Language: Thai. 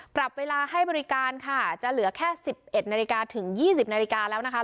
ปรับเวลาให้บริการค่ะจะเหลือแค่๑๑นาฬิกาถึง๒๐นาฬิกาแล้วนะคะ